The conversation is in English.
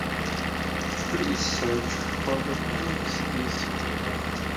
Please search for the Thrilling Cities photograph.